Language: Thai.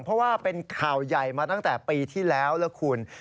เพราะว่าเป็นข่าวใหญ่มาตั้งแต่ปีที่แล้วแล้วคุณ